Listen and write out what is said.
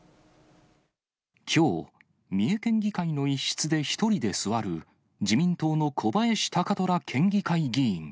きょう、三重県議会の一室で１人で座る自民党の小林貴虎県議会議員。